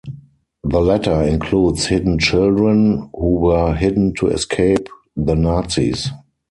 The latter includes Hidden Children, who were hidden to escape the Nazis.